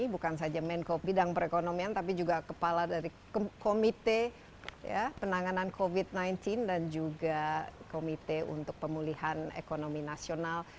bukan saja menko bidang perekonomian tapi juga kepala dari komite penanganan covid sembilan belas dan juga komite untuk pemulihan ekonomi nasional